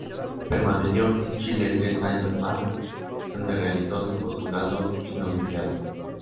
Permaneció en Chile tres años más donde realizó su postulado y noviciado.